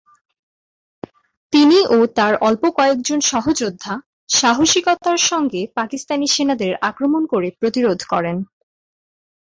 তিনি ও তার অল্প কয়েকজন সহযোদ্ধা সাহসিকতার সঙ্গে পাকিস্তানি সেনাদের আক্রমণ করে প্রতিরোধ করেন।